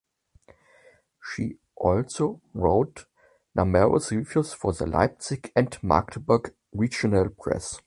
She also wrote numerous reviews for the Leipzig and Magdeburg regional press.